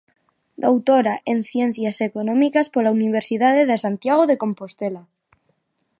Doutora en Ciencias Económicas pola Universidade de Santiago de Compostela.